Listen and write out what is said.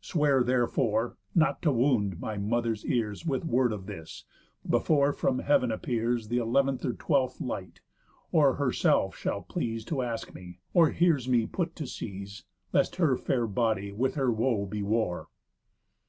Swear therefore, not to wound my mother's ears With word of this, before from heav'n appears Th' elev'nth or twelfth light, or herself shall please To ask of me, or hears me put to seas, Lest her fair body with her woe be wore."